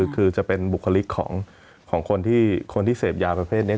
คือจะเป็นบุคลิกของคนที่เสพยาประเภทนี้